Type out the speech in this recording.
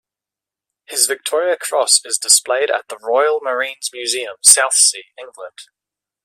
His Victoria Cross is displayed at the Royal Marines Museum, Southsea, England.